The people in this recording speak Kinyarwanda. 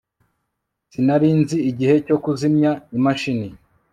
Sinari nzi igihe cyo kuzimya imashini